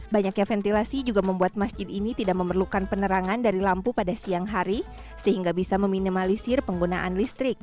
banyaknya ventilasi juga membuat masjid ini tidak memerlukan penerangan dari lampu pada siang hari sehingga bisa meminimalisir penggunaan listrik